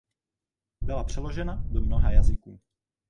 Byla přeložena do mnoha jazyků.